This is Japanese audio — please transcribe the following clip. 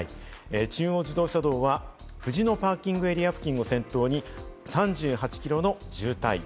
中央自動車道は藤野パーキングエリア付近を先頭に３８キロの渋滞。